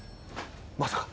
まさか！